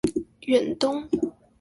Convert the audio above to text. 遠東